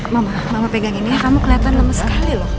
mama mama pegang ini kamu kelihatan lemes sekali loh